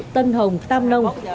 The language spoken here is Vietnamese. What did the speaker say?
tân hồng tam nông